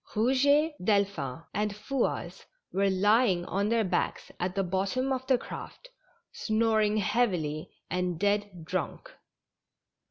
Rouget, Delphin and Fouasse were lying on their backs at the bottom of the craft, snoring heavily, and dead drunk.